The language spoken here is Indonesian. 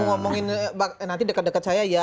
ngomongin nanti dekat dekat saya ya